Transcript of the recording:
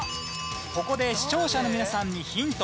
ここで視聴者の皆さんにヒント。